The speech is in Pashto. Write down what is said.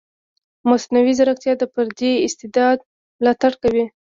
مصنوعي ځیرکتیا د فردي استعداد ملاتړ کوي.